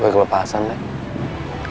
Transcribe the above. gue kelepasan deh